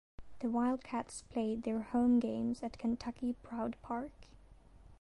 The Wildcats played their home games at Kentucky Proud Park.